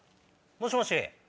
もしもし！